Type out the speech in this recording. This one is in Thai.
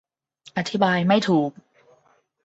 อธิบายไม่ถูก